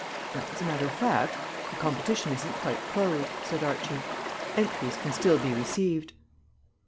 "Well, as a matter of fact, the competition isn't quite closed," said Archie. "Entries can still be received."